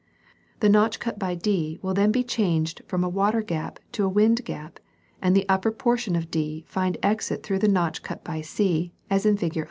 The notch cut by D will then be changed from a water gap to a wind gap and the upper portion of D will findfexit through the notch cut by C, as in fig.